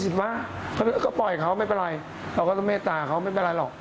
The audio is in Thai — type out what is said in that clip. ถ้าใส่นัดเนี่ยแหละพี่